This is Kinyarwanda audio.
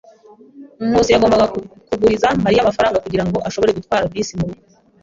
Nkusi yagombaga kuguriza Mariya amafaranga kugirango ashobore gutwara bisi murugo.